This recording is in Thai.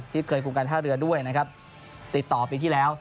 เคยคุมการท่าเรือด้วยนะครับติดต่อปีที่แล้ว